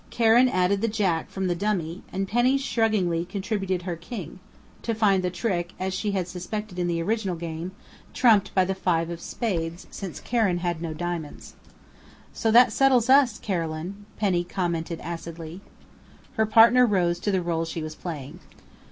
Karen added the Jack from the dummy, and Penny shruggingly contributed her King, to find the trick, as she had suspected in the original game, trumped by the five of Spades, since Karen had no Diamonds. "So that settles us, Carolyn!" Penny commented acidly. Her partner rose to the role she was playing.